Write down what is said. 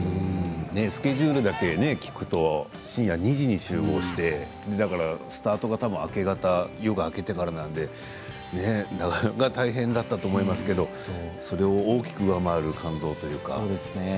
スケジュールだけ聞くと深夜２時に集合してスタートは多分明け方夜が明けてからなのでなかなか大変だったと思いますけどそれを大きく上回る感動というか。